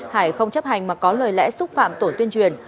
hải không chấp hành mà có lời lẽ xúc phạm tổ tuyên truyền